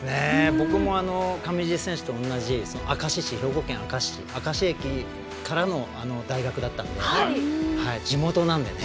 僕も上地選手と同じ兵庫県明石市の明石駅にある大学だったので、地元なのでね。